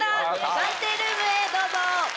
暫定ルームへどうぞ。